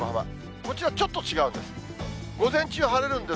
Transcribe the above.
こちらはちょっと違うんです。